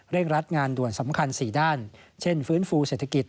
รัดงานด่วนสำคัญ๔ด้านเช่นฟื้นฟูเศรษฐกิจ